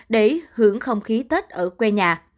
để hưởng không khí tết ở quê nhà